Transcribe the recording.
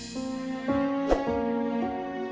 pernah gak ada yang ngerti